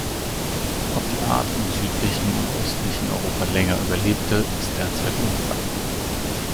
Ob die Art im südlichen und östlichen Europa länger überlebte, ist derzeit unklar.